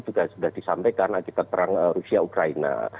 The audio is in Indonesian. juga sudah disampaikan agar terang rusia ukraina